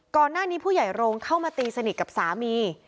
ก่อนหน้านี้ผู้ใหญ่โรงเข้ามาตีสนิทกับสามี